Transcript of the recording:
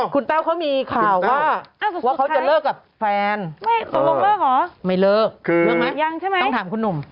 คุณแต้วเขามีข่าวว่าเขาจะเลิกกับแฟนไม่เลิกเลิกไหมต้องถามคุณหนุ่มคือยังใช่ไหม